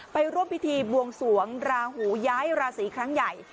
ไปร่วมพิธีบวงสวงราหูย้ายราศีครั้งใหญ่